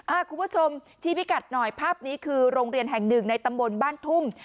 คุณผู้ชมที่พิกัดหน่อยภาพนี้คือโรงเรียนแห่งหนึ่งในตำบลบ้านทุ่ม